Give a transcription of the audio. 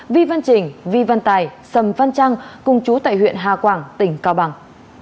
vi văn trình vi văn tài sầm văn trăng cùng chú tại huyện hà quảng tỉnh cao bằng